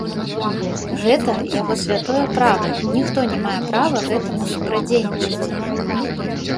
Гэта яго святое права, ніхто не мае права гэтаму супрацьдзейнічаць.